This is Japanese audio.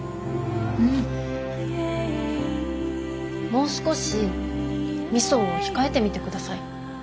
もう少しみそを控えてみてください。